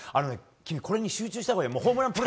これに集中したほうがいい。